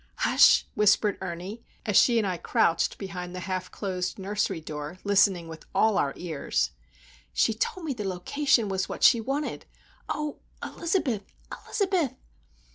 "Hush!" whispered Ernie, as she and I crouched behind the half closed nursery door, listening with all our ears. "She told me the location was what she wanted. Oh, Elizabeth! Elizabeth!"